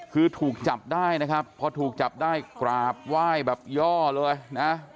เพราะถูกจับได้กราบไหว้แบบย่อเลยนะ